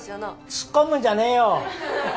ツッコむんじゃねえよ。